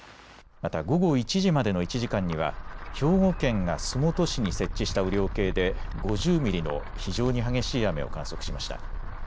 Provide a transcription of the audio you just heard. また午後１時までの１時間には兵庫県が洲本市に設置した雨量計で５０ミリの非常に激しい雨を観測しました。